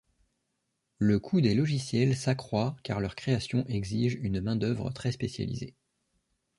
Le coût des logiciels s’accroit car leur création exige une main d’œuvre très spécialisée.